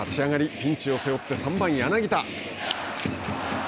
ピンチを背負って３番柳田。